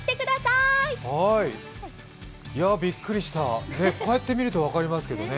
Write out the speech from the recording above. いや、びっくりした、こうやって見ると分かりますけどね。